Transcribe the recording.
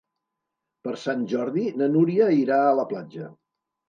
Per Sant Jordi na Núria irà a la platja.